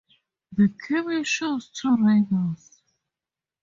The cameo shows two riders.